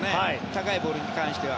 高いボールに関しては。